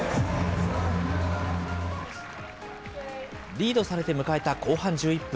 リードされて迎えた後半１１分。